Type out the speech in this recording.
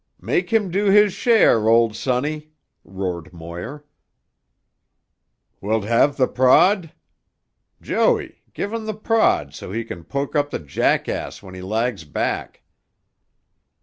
"Make him do his share, old sonny," roared Moir. "Wilt have tuh prod? Joey, give him tuh prod so he can poke up tuh jackass when he lags back."